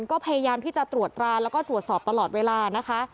ก็พยายามที่จะตรวจตราแล้วก็ตรวจสอบตลอดเวลานะคะ